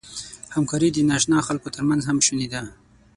همکاري د ناآشنا خلکو تر منځ هم شونې ده.